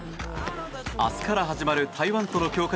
明日から始まる台湾との強化